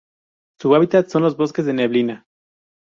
Su hábitat son los bosques de neblina.